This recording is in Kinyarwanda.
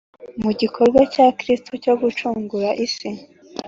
mu gikorwa cya kristu cyogucungura isi.